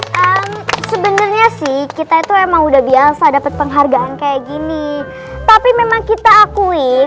hai sebenernya sih kita itu emang udah biasa dapet penghargaan kayak gini tapi memang kitaweight